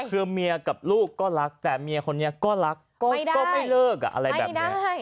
คือเมียกับลูกก็รักแต่เมียคนนี้ก็รักก็ไม่เลิกอะไรแบบนี้